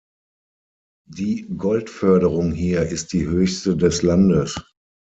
Die Goldförderung hier ist die höchste des Landes.